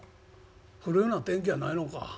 降るような天気やないのか。